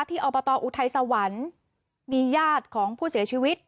อบตอุทัยสวรรค์มีญาติของผู้เสียชีวิต